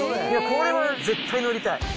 これは絶対乗りたい。